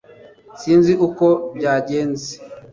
sinzi uko byagenze